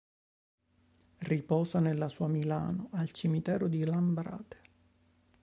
Riposa nella sua Milano, al cimitero di Lambrate.